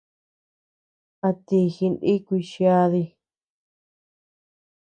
¿A ti jinukuy chiadi?